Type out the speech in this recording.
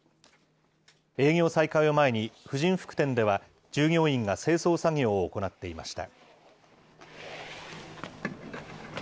営業再開を前に婦人服店では、従業員が清掃作業を行っていました。